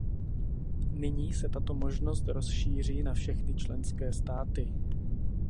Nyní se tato možnost rozšíří na všechny členské státy.